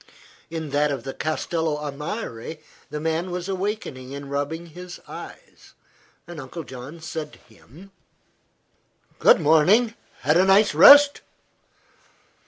In that of the Castello a Mare the man was awakening and rubbing his eyes. Uncle John said to him: "Good morning. Had a nice rest?"